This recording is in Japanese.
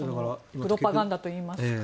プロパガンダといいますか。